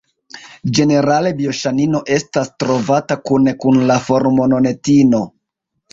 Ĝenerale bioŝanino estas trovata kune kun la formononetino.